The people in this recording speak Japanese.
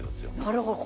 なるほど。